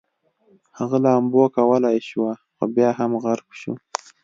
هغه لامبو کولی شوه خو بیا هم غرق شو